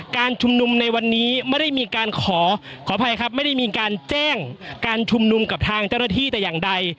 การชุมนุมในวันนี้ไม่ได้มีการขอขออภัยครับไม่ได้มีการแจ้งการชุมนุมกับทางเจ้าหน้าที่แต่อย่างใด